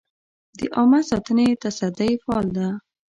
د عامه ساتنې تصدۍ فعال ده؟